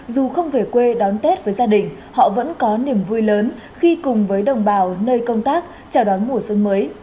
dù không về quê đón tết với gia đình họ vẫn có niềm vui lớn khi cùng với đồng bào nơi công tác chào đón mùa xuân mới